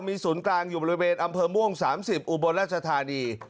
มีศูนย์กลางอยู่บริเวณอำเภอม่วง๓๐อุบลราชธานี